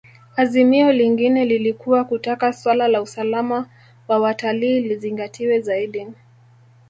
Azimio lingine lilikuwa kutaka suala la usalama wa watalii lizingatiwe zaidi